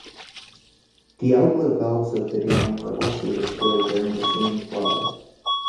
The outlet valves of the dam were also destroyed during the same flood.